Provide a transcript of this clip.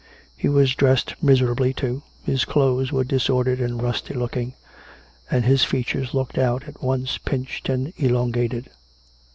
He was dressed miserably, too; his clothes were disordered and rusty look ing; and his features looked out, at once pinched and elongated.